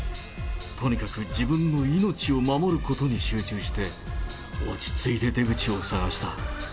とにかく自分の命を守ることに集中して、落ち着いて出口を探した。